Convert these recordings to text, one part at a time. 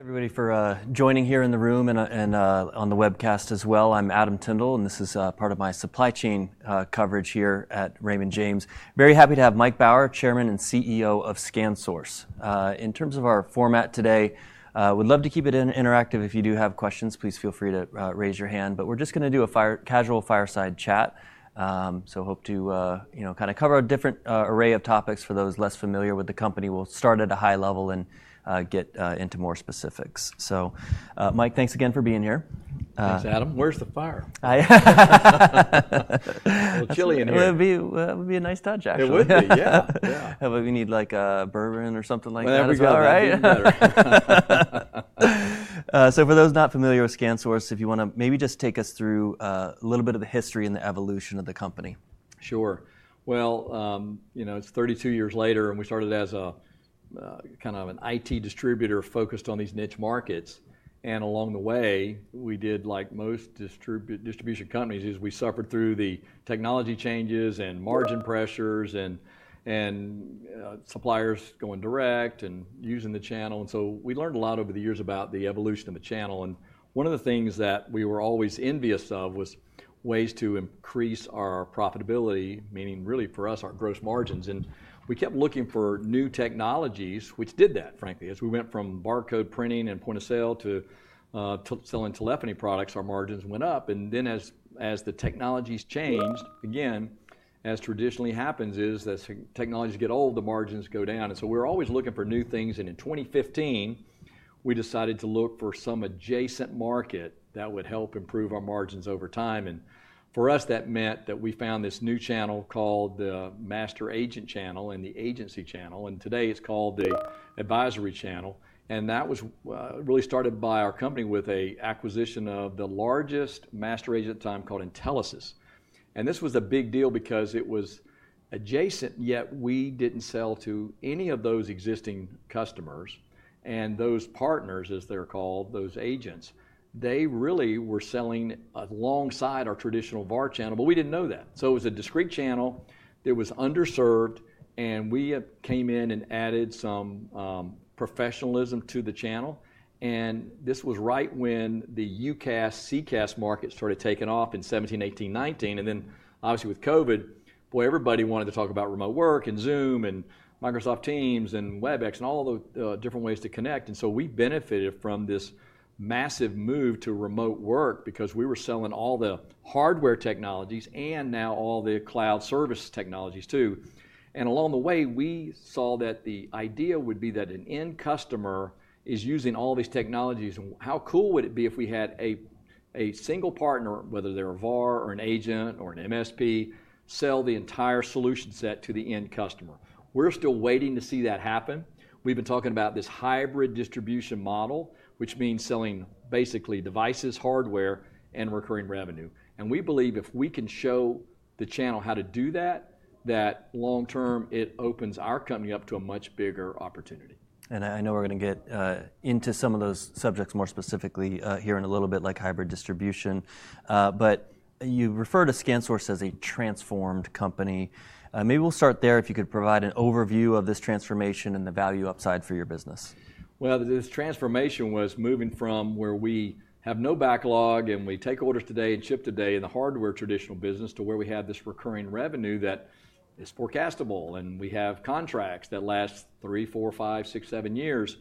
everybody, for joining here in the room and on the webcast as well. I'm Adam Tindle, and this is part of my supply chain coverage here at Raymond James. Very happy to have Mike Baur, Chairman and CEO of ScanSource. In terms of our format today, we'd love to keep it interactive. If you do have questions, please feel free to raise your hand. But we're just going to do a casual fireside chat. So hope to kind of cover a different array of topics for those less familiar with the company. We'll start at a high level and get into more specifics. So Mike, thanks again for being here. Thanks, Adam. Where's the fire? We're chilling here. It would be a nice touch, actually. It would be, yeah. How about we need like a bourbon or something like that? That'd be good, right? So for those not familiar with ScanSource, if you want to maybe just take us through a little bit of the history and the evolution of the company. Sure. Well, it's 32 years later, and we started as a kind of an IT distributor focused on these niche markets. And along the way, we did like most distribution companies, is we suffered through the technology changes and margin pressures and suppliers going direct and using the channel. And so we learned a lot over the years about the evolution of the channel. And one of the things that we were always envious of was ways to increase our profitability, meaning really for us, our gross margins. And we kept looking for new technologies, which did that, frankly. As we went from barcode printing and point of sale to selling telephony products, our margins went up. And then as the technologies changed, again, as traditionally happens, is that technologies get old, the margins go down. And so we were always looking for new things. And in 2015, we decided to look for some adjacent market that would help improve our margins over time. And for us, that meant that we found this new channel called the master agent channel and the agency channel. And today it's called the advisory channel. And that was really started by our company with an acquisition of the largest master agent at the time called Intelisys. And this was a big deal because it was adjacent, yet we didn't sell to any of those existing customers. And those partners, as they're called, those agents, they really were selling alongside our traditional VAR channel, but we didn't know that. So it was a discrete channel that was underserved, and we came in and added some professionalism to the channel. And this was right when the UCaaS, CCaaS market started taking off in 2017, 2018, 2019. And then, obviously, with COVID, boy, everybody wanted to talk about remote work and Zoom and Microsoft Teams and Webex and all the different ways to connect. And so we benefited from this massive move to remote work because we were selling all the hardware technologies and now all the cloud service technologies too. And along the way, we saw that the idea would be that an end customer is using all these technologies. And how cool would it be if we had a single partner, whether they're a VAR or an agent or an MSP, sell the entire solution set to the end customer? We're still waiting to see that happen. We've been talking about this hybrid distribution model, which means selling basically devices, hardware, and recurring revenue. We believe if we can show the channel how to do that, that long term it opens our company up to a much bigger opportunity. I know we're going to get into some of those subjects more specifically here in a little bit, like hybrid distribution. But you refer to ScanSource as a transformed company. Maybe we'll start there if you could provide an overview of this transformation and the value upside for your business. This transformation was moving from where we have no backlog and we take orders today and ship today in the hardware traditional business to where we have this recurring revenue that is forecastable, and we have contracts that last three, four, five, six, seven years.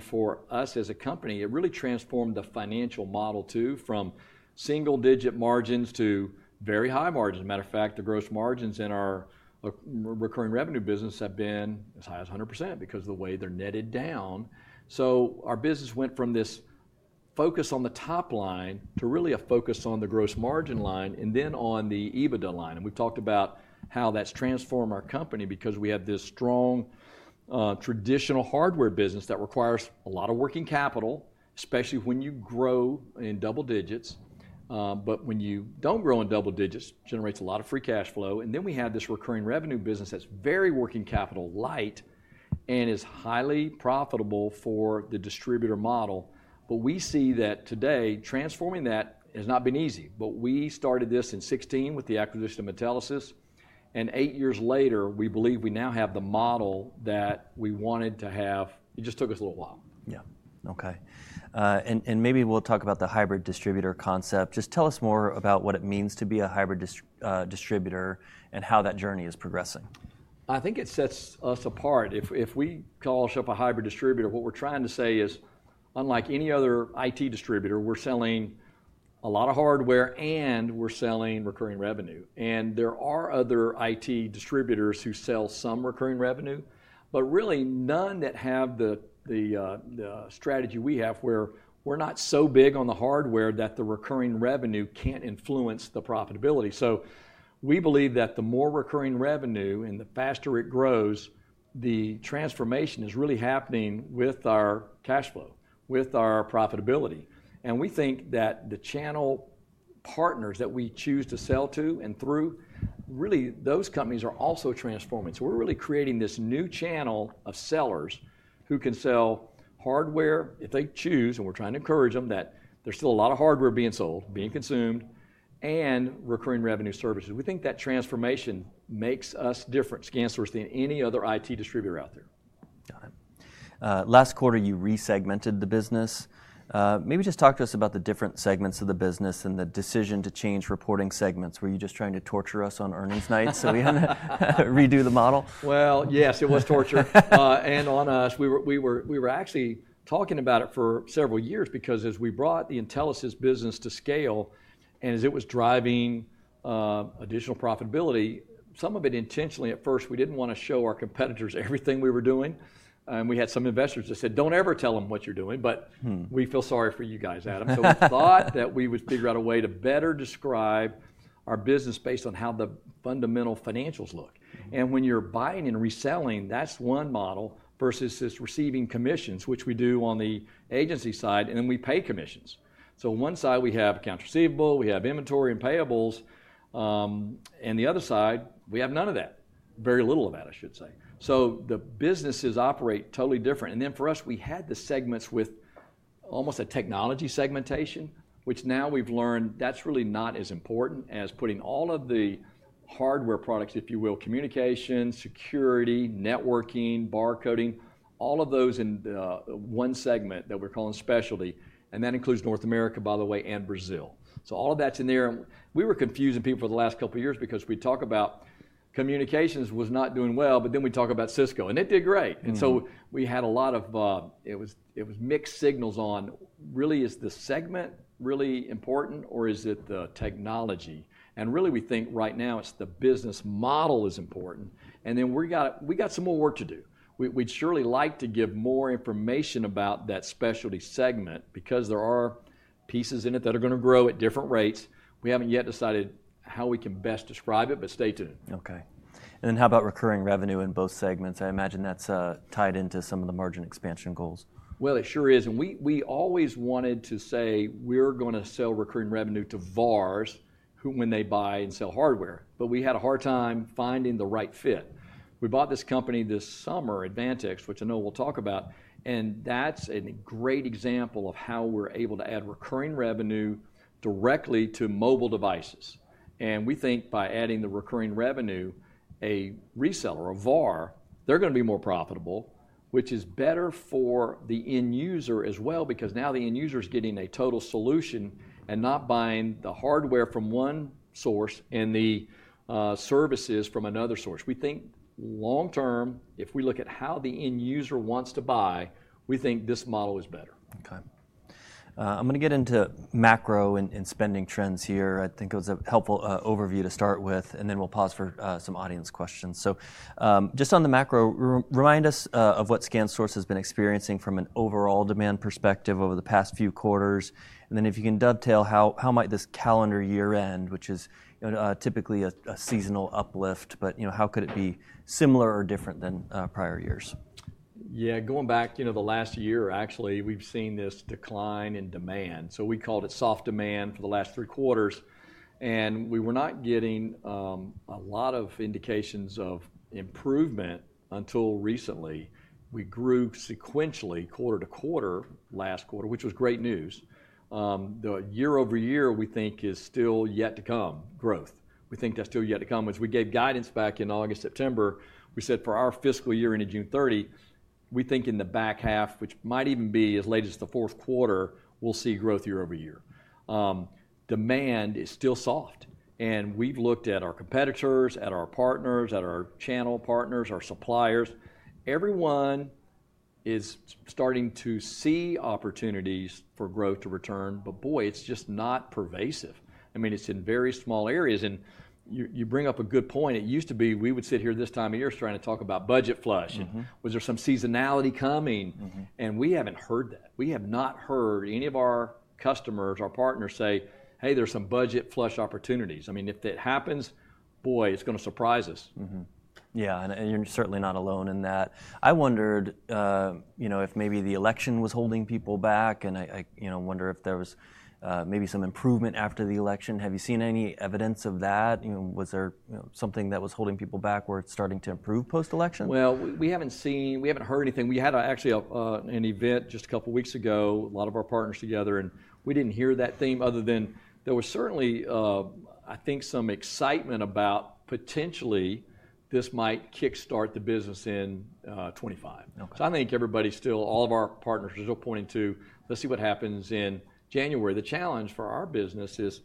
For us as a company, it really transformed the financial model too from single-digit margins to very high margins. As a matter of fact, the gross margins in our recurring revenue business have been as high as 100% because of the way they're netted down. Our business went from this focus on the top line to really a focus on the gross margin line and then on the EBITDA line. We've talked about how that's transformed our company because we have this strong traditional hardware business that requires a lot of working capital, especially when you grow in double digits. But when you don't grow in double digits, it generates a lot of free cash flow. And then we have this recurring revenue business that's very working capital light and is highly profitable for the distributor model. But we see that today transforming that has not been easy. But we started this in 2016 with the acquisition of Intelisys. And eight years later, we believe we now have the model that we wanted to have. It just took us a little while. Yeah. Okay. Maybe we'll talk about the hybrid distributor concept. Just tell us more about what it means to be a hybrid distributor and how that journey is progressing. I think it sets us apart. If we call ourselves a hybrid distributor, what we're trying to say is unlike any other IT distributor, we're selling a lot of hardware and we're selling recurring revenue. And there are other IT distributors who sell some recurring revenue, but really none that have the strategy we have where we're not so big on the hardware that the recurring revenue can't influence the profitability. So we believe that the more recurring revenue and the faster it grows, the transformation is really happening with our cash flow, with our profitability. And we think that the channel partners that we choose to sell to and through, really those companies are also transforming. So we're really creating this new channel of sellers who can sell hardware if they choose. And we're trying to encourage them that there's still a lot of hardware being sold, being consumed, and recurring revenue services. We think that transformation makes us different, ScanSource, than any other IT distributor out there. Got it. Last quarter, you resegmented the business. Maybe just talk to us about the different segments of the business and the decision to change reporting segments. Were you just trying to torture us on earnings night so we had to redo the model? Well, yes, it was torture and on us. We were actually talking about it for several years because as we brought the Intelisys business to scale and as it was driving additional profitability, some of it intentionally at first, we didn't want to show our competitors everything we were doing. And we had some investors that said, "Don't ever tell them what you're doing." But we feel sorry for you guys, Adam. So we thought that we would figure out a way to better describe our business based on how the fundamental financials look. And when you're buying and reselling, that's one model versus just receiving commissions, which we do on the agency side, and then we pay commissions. So one side we have accounts receivable, we have inventory and payables, and the other side we have none of that, very little of that, I should say. So the businesses operate totally different. And then for us, we had the segments with almost a technology segmentation, which now we've learned that's really not as important as putting all of the hardware products, if you will, communication, security, networking, barcoding, all of those in one segment that we're calling Specialty. And that includes North America, by the way, and Brazil. So all of that's in there. We were confusing people for the last couple of years because we talk about communications was not doing well, but then we talk about Cisco, and it did great. And so we had a lot of it. It was mixed signals on really is the segment really important or is it the technology? And really we think right now it's the business model is important. And then we got some more work to do. We'd surely like to give more information about that Specialty segment because there are pieces in it that are going to grow at different rates. We haven't yet decided how we can best describe it, but stay tuned. Okay. And then how about recurring revenue in both segments? I imagine that's tied into some of the margin expansion goals. It sure is. And we always wanted to say we're going to sell recurring revenue to VARs when they buy and sell hardware. But we had a hard time finding the right fit. We bought this company this summer, Advantix, which I know we'll talk about. And that's a great example of how we're able to add recurring revenue directly to mobile devices. And we think by adding the recurring revenue, a reseller, a VAR, they're going to be more profitable, which is better for the end user as well because now the end user is getting a total solution and not buying the hardware from one source and the services from another source. We think long term, if we look at how the end user wants to buy, we think this model is better. Okay. I'm going to get into macro and spending trends here. I think it was a helpful overview to start with, and then we'll pause for some audience questions. So just on the macro, remind us of what ScanSource has been experiencing from an overall demand perspective over the past few quarters. And then if you can dovetail, how might this calendar year end, which is typically a seasonal uplift, but how could it be similar or different than prior years? Yeah, going back, you know the last year, actually, we've seen this decline in demand. So we called it soft demand for the last three quarters. And we were not getting a lot of indications of improvement until recently. We grew sequentially quarter to quarter last quarter, which was great news. The year over year, we think is still yet to come, growth. We think that's still yet to come. As we gave guidance back in August, September, we said for our fiscal year ending June 30, we think in the back half, which might even be as late as the fourth quarter, we'll see growth year over year. Demand is still soft. And we've looked at our competitors, at our partners, at our channel partners, our suppliers. Everyone is starting to see opportunities for growth to return. But boy, it's just not pervasive. I mean, it's in very small areas, and you bring up a good point. It used to be we would sit here this time of year trying to talk about budget flush, and was there some seasonality coming, and we haven't heard that. We have not heard any of our customers, our partners say, "Hey, there's some budget flush opportunities." I mean, if that happens, boy, it's going to surprise us. Yeah, and you're certainly not alone in that. I wondered if maybe the election was holding people back, and I wonder if there was maybe some improvement after the election. Have you seen any evidence of that? Was there something that was holding people back where it's starting to improve post-election? We haven't seen. We haven't heard anything. We had actually an event just a couple of weeks ago, a lot of our partners together, and we didn't hear that theme other than there was certainly, I think, some excitement about potentially this might kickstart the business in 2025. I think everybody's still. All of our partners are still pointing to, let's see what happens in January. The challenge for our business is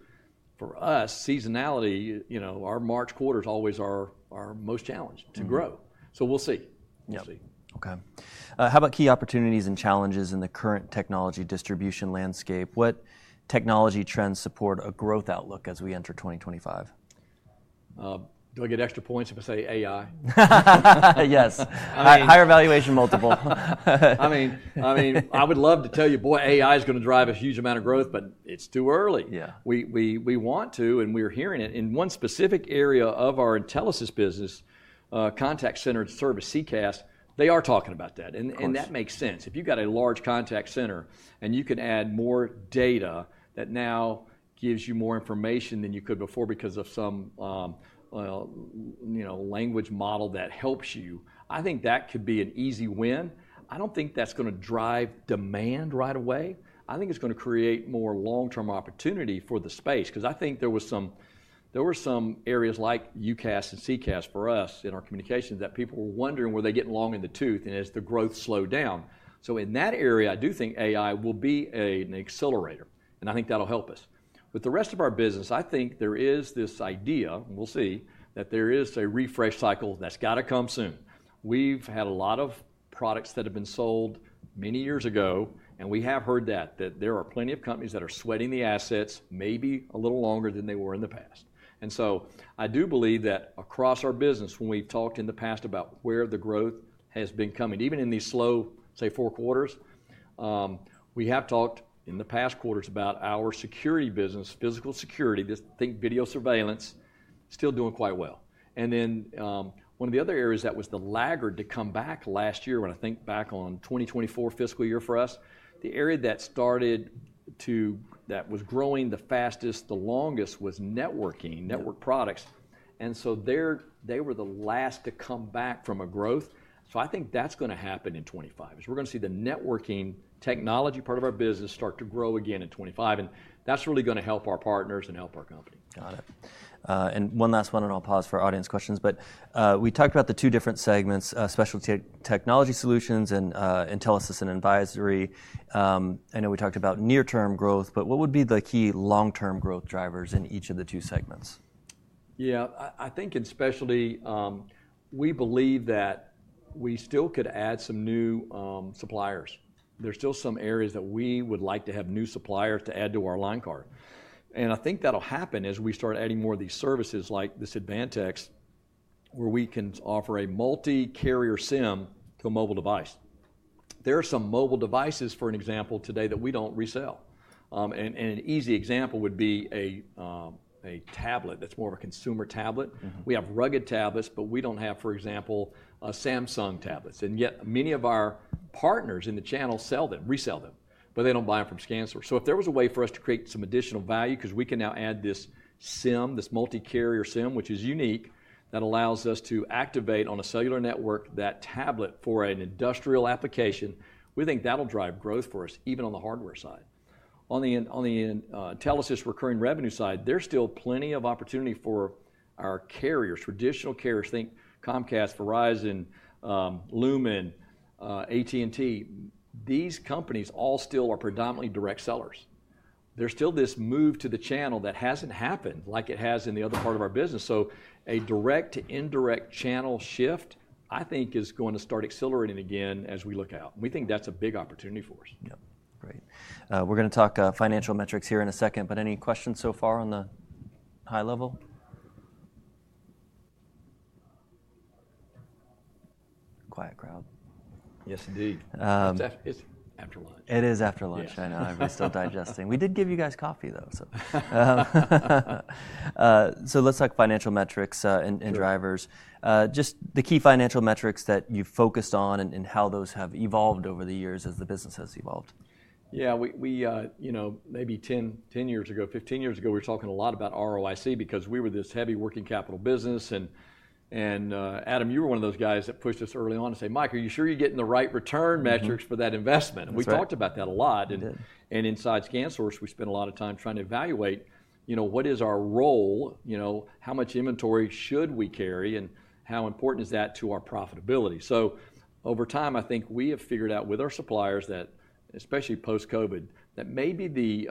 for us, seasonality. Our March quarter is always our most challenge to grow. We'll see. Yeah. Okay. How about key opportunities and challenges in the current technology distribution landscape? What technology trends support a growth outlook as we enter 2025? Do I get extra points if I say AI? Yes. Higher valuation multiple. I mean, I would love to tell you, boy, AI is going to drive a huge amount of growth, but it's too early. Yeah, we want to, and we're hearing it. In one specific area of our Intelisys business, contact center and service, CCaaS, they are talking about that. And that makes sense. If you've got a large contact center and you can add more data that now gives you more information than you could before because of some language model that helps you, I think that could be an easy win. I don't think that's going to drive demand right away. I think it's going to create more long-term opportunity for the space because I think there were some areas like UCaaS and CCaaS for us in our communications that people were wondering where they're getting long in the tooth and as the growth slowed down. So in that area, I do think AI will be an accelerator. And I think that'll help us. With the rest of our business, I think there is this idea, and we'll see, that there is a refresh cycle that's got to come soon. We've had a lot of products that have been sold many years ago, and we have heard that there are plenty of companies that are sweating the assets maybe a little longer than they were in the past. And so I do believe that across our business, when we've talked in the past about where the growth has been coming, even in these slow, say, four quarters, we have talked in the past quarters about our security business, physical security, just think video surveillance, still doing quite well. One of the other areas that was the laggard to come back last year, when I think back on 2024 fiscal year for us, the area that started to, that was growing the fastest, the longest was networking, network products. They were the last to come back from a growth. I think that's going to happen in 2025. We're going to see the networking technology part of our business start to grow again in 2025. That's really going to help our partners and help our company. Got it. And one last one, and I'll pause for audience questions. But we talked about the two different segments, specialty technology solutions and Intelisys and advisory. I know we talked about near-term growth, but what would be the key long-term growth drivers in each of the two segments? Yeah, I think in Specialty, we believe that we still could add some new suppliers. There's still some areas that we would like to have new suppliers to add to our line card. And I think that'll happen as we start adding more of these services like this Advantix, where we can offer a multi-carrier SIM to a mobile device. There are some mobile devices, for an example, today that we don't resell. And an easy example would be a tablet that's more of a consumer tablet. We have rugged tablets, but we don't have, for example, Samsung tablets. And yet many of our partners in the channel sell them, resell them, but they don't buy them from ScanSource. So if there was a way for us to create some additional value because we can now add this SIM, this multi-carrier SIM, which is unique, that allows us to activate on a cellular network that tablet for an industrial application, we think that'll drive growth for us even on the hardware side. On the Intelisys recurring revenue side, there's still plenty of opportunity for our carriers, traditional carriers, think Comcast, Verizon, Lumen, AT&T. These companies all still are predominantly direct sellers. There's still this move to the channel that hasn't happened like it has in the other part of our business. So a direct to indirect channel shift, I think, is going to start accelerating again as we look out. We think that's a big opportunity for us. Yep. Great. We're going to talk financial metrics here in a second, but any questions so far on the high level? Quiet crowd. Yes, indeed. It's after lunch. It is after lunch. I know. I'm still digesting. We did give you guys coffee, though. So let's talk financial metrics and drivers. Just the key financial metrics that you've focused on and how those have evolved over the years as the business has evolved. Yeah, maybe 10 years ago, 15 years ago, we were talking a lot about ROIC because we were this heavy working capital business. And Adam, you were one of those guys that pushed us early on to say, "Mike, are you sure you're getting the right return metrics for that investment?" And we talked about that a lot. And inside ScanSource, we spent a lot of time trying to evaluate what is our role, how much inventory should we carry, and how important is that to our profitability. So over time, I think we have figured out with our suppliers that, especially post-COVID, that maybe the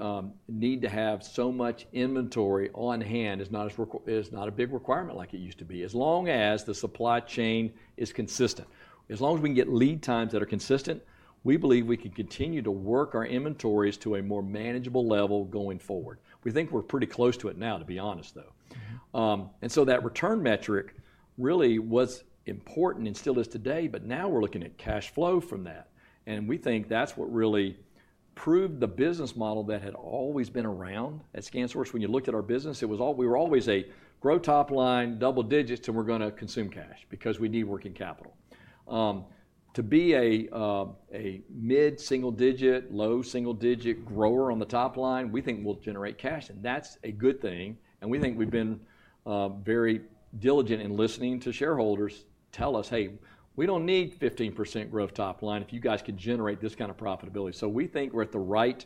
need to have so much inventory on hand is not a big requirement like it used to be, as long as the supply chain is consistent. As long as we can get lead times that are consistent, we believe we can continue to work our inventories to a more manageable level going forward. We think we're pretty close to it now, to be honest, though. That return metric really was important and still is today, but now we're looking at cash flow from that. We think that's what really proved the business model that had always been around at ScanSource. When you looked at our business, it was all we were always a grow top line, double digits, and we're going to consume cash because we need working capital. To be a mid-single digit, low single digit grower on the top line, we think will generate cash. That's a good thing. And we think we've been very diligent in listening to shareholders tell us, "Hey, we don't need 15% growth top line if you guys can generate this kind of profitability." So we think we're at the right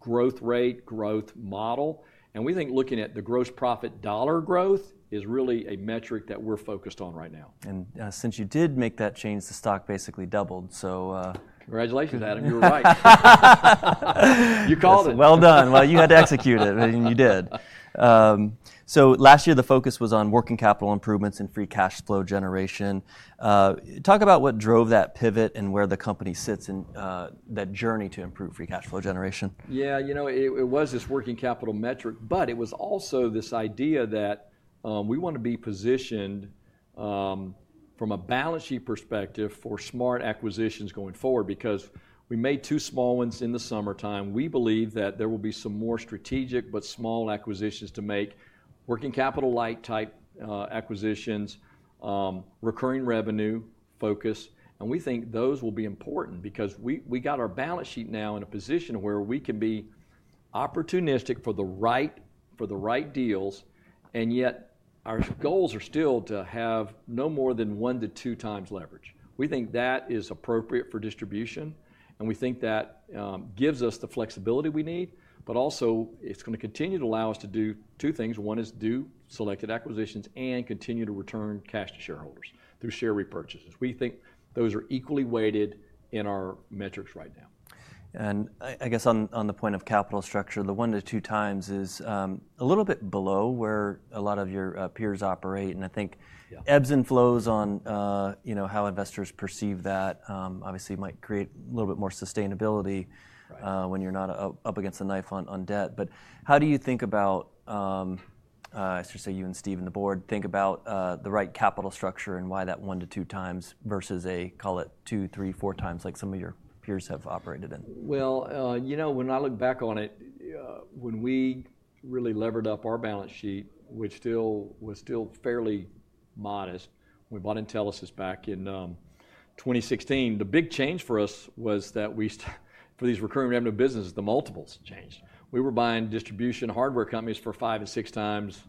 growth rate, growth model. And we think looking at the gross profit dollar growth is really a metric that we're focused on right now. Since you did make that change, the stock basically doubled. So. Congratulations, Adam. You were right. You called it. Well done. You had to execute it, and you did. Last year, the focus was on working capital improvements and free cash flow generation. Talk about what drove that pivot and where the company sits in that journey to improve free cash flow generation. Yeah, you know it was this working capital metric, but it was also this idea that we want to be positioned from a balance sheet perspective for smart acquisitions going forward because we made two small ones in the summertime. We believe that there will be some more strategic but small acquisitions to make, working capital-like type acquisitions, recurring revenue focus. And we think those will be important because we got our balance sheet now in a position where we can be opportunistic for the right deals. And yet our goals are still to have no more than one to two times leverage. We think that is appropriate for distribution. And we think that gives us the flexibility we need, but also it's going to continue to allow us to do two things. One is do selected acquisitions and continue to return cash to shareholders through share repurchases. We think those are equally weighted in our metrics right now. And I guess on the point of capital structure, the one to two times is a little bit below where a lot of your peers operate. And I think ebbs and flows on how investors perceive that obviously might create a little bit more sustainability when you're not up against the knife on debt. But how do you think about, I should say you and Steve and the Board, think about the right capital structure and why that 1x-2x versus a, call it 2x, 3x, 4x like some of your peers have operated in? Well, you know when I look back on it, when we really levered up our balance sheet, which still was fairly modest, we bought Intelisys back in 2016. The big change for us was that for these recurring revenue businesses, the multiples changed. We were buying distribution hardware companies for five to six times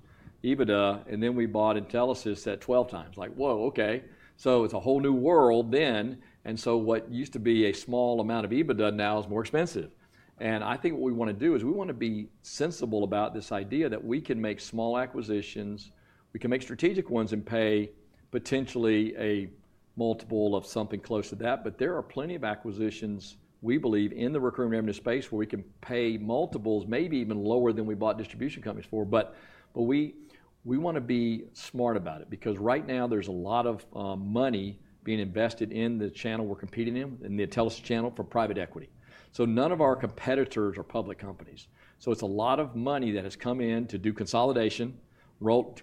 EBITDA, and then we bought Intelisys at 12x. Like, whoa, okay. So it's a whole new world then. And so what used to be a small amount of EBITDA now is more expensive. And I think what we want to do is we want to be sensible about this idea that we can make small acquisitions. We can make strategic ones and pay potentially a multiple of something close to that. But there are plenty of acquisitions, we believe, in the recurring revenue space where we can pay multiples, maybe even lower than we bought distribution companies for. But we want to be smart about it because right now there's a lot of money being invested in the channel we're competing in, in the Intelisys channel for private equity. So none of our competitors are public companies. So it's a lot of money that has come in to do consolidation,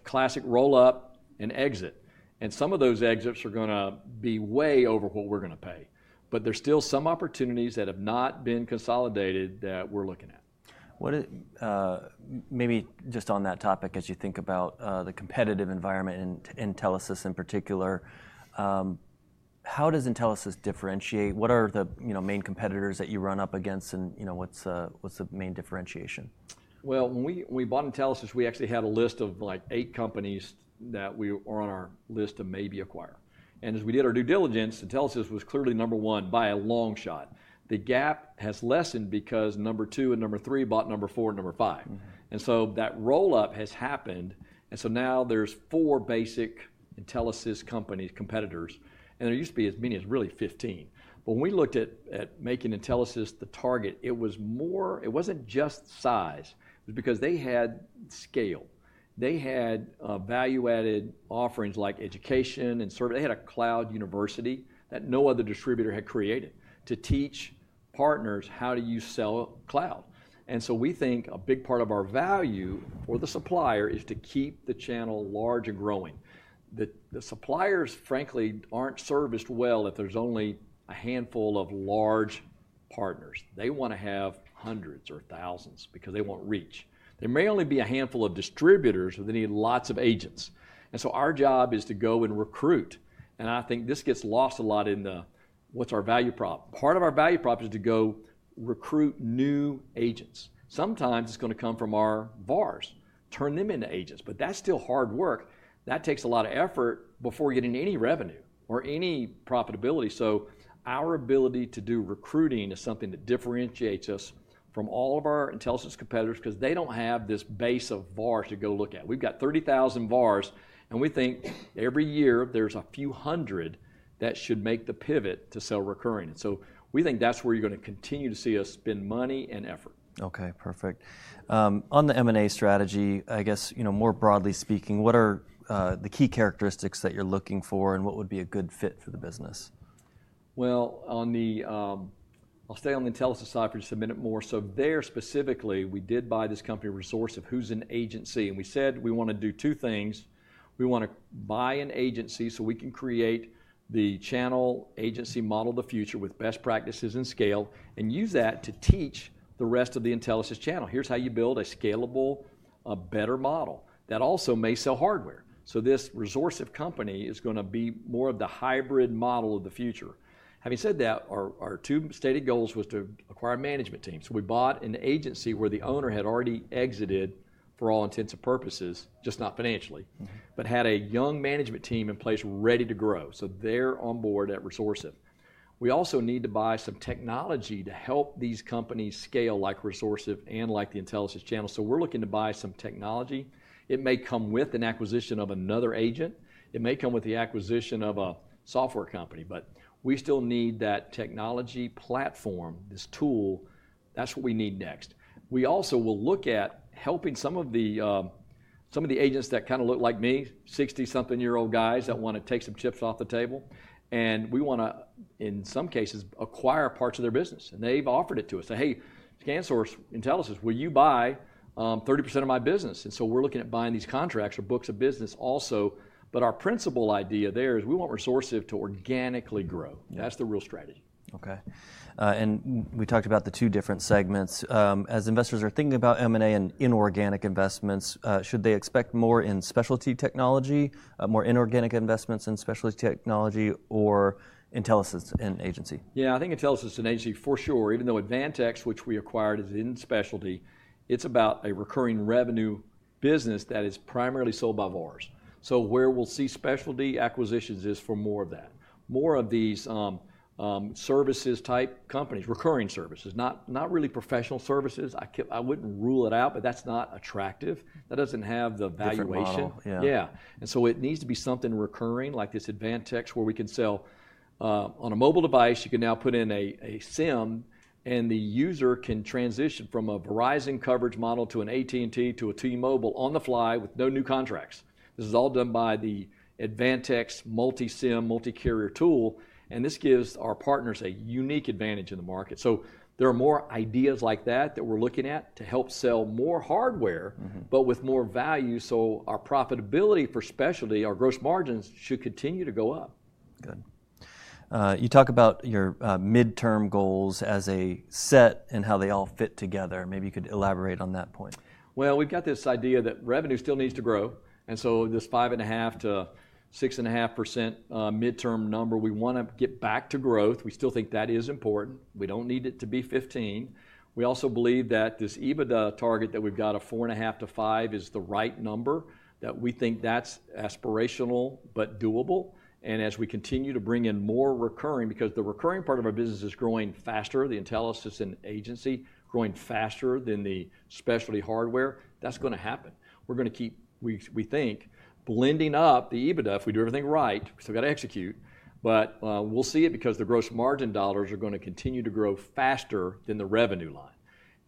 classic roll-up, and exit. And some of those exits are going to be way over what we're going to pay. But there's still some opportunities that have not been consolidated that we're looking at. Maybe just on that topic, as you think about the competitive environment in Intelisys in particular, how does Intelisys differentiate? What are the main competitors that you run up against, and what's the main differentiation? When we bought Intelisys, we actually had a list of like eight companies that were on our list to maybe acquire. And as we did our due diligence, Intelisys was clearly number one by a long shot. The gap has lessened because number two and number three bought number four and number five. And so that roll-up has happened. And so now there's four basic Intelisys companies competitors. And there used to be as many as really 15. But when we looked at making Intelisys the target, it wasn't just size. It was because they had scale. They had value-added offerings like education and service. They had a cloud university that no other distributor had created to teach partners how to use cloud. And so we think a big part of our value for the supplier is to keep the channel large and growing. The suppliers, frankly, aren't serviced well if there's only a handful of large partners. They want to have hundreds or thousands because they want reach. There may only be a handful of distributors, but they need lots of agents. And so our job is to go and recruit. And I think this gets lost a lot in the what's our value prop. Part of our value prop is to go recruit new agents. Sometimes it's going to come from our VARs, turn them into agents. But that's still hard work. That takes a lot of effort before getting any revenue or any profitability. So our ability to do recruiting is something that differentiates us from all of our Intelisys competitors because they don't have this base of VARs to go look at. We've got 30,000 VARs, and we think every year there's a few hundred that should make the pivot to sell recurring. And so we think that's where you're going to continue to see us spend money and effort. Okay, perfect. On the M&A strategy, I guess more broadly speaking, what are the key characteristics that you're looking for, and what would be a good fit for the business? I'll stay on the Intelisys side for just a minute more. There specifically, we did buy this company Resourcive who's an agency. We said we want to do two things. We want to buy an agency so we can create the channel agency model of the future with best practices and scale, and use that to teach the rest of the Intelisys channel. Here's how you build a scalable, a better model that also may sell hardware. This Resourcive company is going to be more of the hybrid model of the future. Having said that, our two stated goals was to acquire a management team. We bought an agency where the owner had already exited for all intents and purposes, just not financially, but had a young management team in place ready to grow. They're on board at Resourcive. We also need to buy some technology to help these companies scale like Resourcive and like the Intelisys channel. So we're looking to buy some technology. It may come with an acquisition of another agent. It may come with the acquisition of a software company. But we still need that technology platform, this tool. That's what we need next. We also will look at helping some of the agents that kind of look like me, 60-something-year-old guys that want to take some chips off the table. And we want to, in some cases, acquire parts of their business. And they've offered it to us. Say, "Hey, ScanSource, Intelisys, will you buy 30% of my business?" And so we're looking at buying these contracts or books of business also. But our principal idea there is we want Resourcive to organically grow. That's the real strategy. Okay. And we talked about the two different segments. As investors are thinking about M&A and inorganic investments, should they expect more in specialty technology, more inorganic investments in specialty technology, or Intelisys, an agency? Yeah, I think Intelisys is an agency for sure. Even though Advantix, which we acquired, is in specialty, it's about a recurring revenue business that is primarily sold by VARs. So where we'll see specialty acquisitions is for more of that. More of these services-type companies, recurring services, not really professional services. I wouldn't rule it out, but that's not attractive. That doesn't have the valuation. That's not viable. Yeah. And so it needs to be something recurring, like this Advantix, where we can sell on a mobile device. You can now put in a SIM, and the user can transition from a Verizon coverage model to an AT&T to a T-Mobile on the fly with no new contracts. This is all done by the Advantix multi-SIM, multi-carrier tool. And this gives our partners a unique advantage in the market. So there are more ideas like that that we're looking at to help sell more hardware, but with more value. So our profitability for specialty, our gross margins should continue to go up. Good. You talk about your midterm goals as a set and how they all fit together. Maybe you could elaborate on that point. We've got this idea that revenue still needs to grow. So this 5.5%-6.5% midterm number, we want to get back to growth. We still think that is important. We don't need it to be 15%. We also believe that this EBITDA target that we've got of 4.5%-5% is the right number that we think that's aspirational but doable. As we continue to bring in more recurring, because the recurring part of our business is growing faster, the Intelisys and agency growing faster than the specialty hardware, that's going to happen. We're going to keep, we think, blending up the EBITDA if we do everything right. We've got to execute. We'll see it because the gross margin dollars are going to continue to grow faster than the revenue line.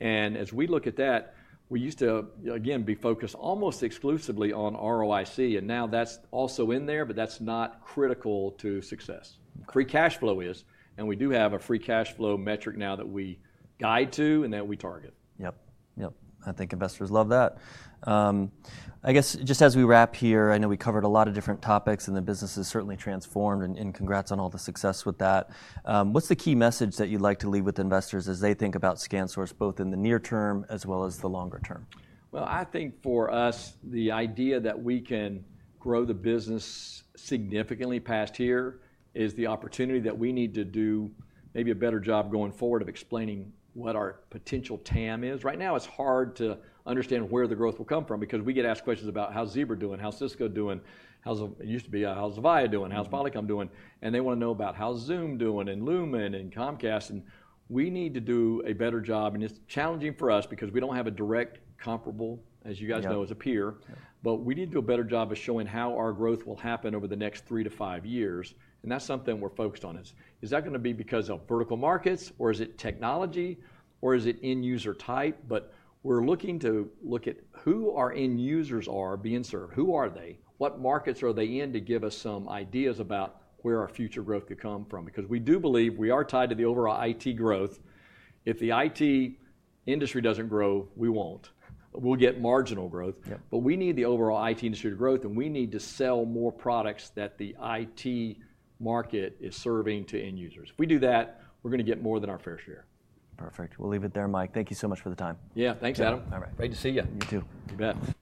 And as we look at that, we used to, again, be focused almost exclusively on ROIC. And now that's also in there, but that's not critical to success. Free cash flow is. And we do have a free cash flow metric now that we guide to and that we target. Yep. Yep. I think investors love that. I guess just as we wrap here, I know we covered a lot of different topics, and the business has certainly transformed. And congrats on all the success with that. What's the key message that you'd like to leave with investors as they think about ScanSource, both in the near term as well as the longer term? Well, I think for us, the idea that we can grow the business significantly past here is the opportunity that we need to do maybe a better job going forward of explaining what our potential TAM is. Right now, it's hard to understand where the growth will come from because we get asked questions about how Zebra is doing, how Cisco is doing, how it used to be, how Avaya is doing, how SpotLink is doing. And they want to know about how Zoom is doing and Lumen and Comcast. And we need to do a better job. And it's challenging for us because we don't have a direct comparable, as you guys know, as a peer. But we need to do a better job of showing how our growth will happen over the next three to five years. And that's something we're focused on. Is that going to be because of vertical markets, or is it technology, or is it end user type? But we're looking to look at who our end users are being served. Who are they? What markets are they in to give us some ideas about where our future growth could come from? Because we do believe we are tied to the overall IT growth. If the IT industry doesn't grow, we won't. We'll get marginal growth. But we need the overall IT industry to grow, and we need to sell more products that the IT market is serving to end users. If we do that, we're going to get more than our fair share. Perfect. We'll leave it there, Mike. Thank you so much for the time. Yeah, thanks, Adam. Great to see you. You too. You bet.